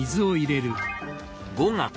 ５月。